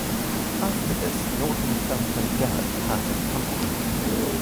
After this, Nordenfelt and Garrett parted company.